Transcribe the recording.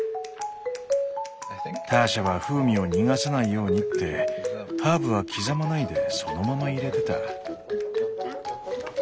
ターシャは風味を逃がさないようにってハーブは刻まないでそのまま入れてた。